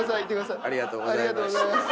ありがとうございます。